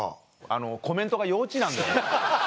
あのコメントが幼稚なんですよ。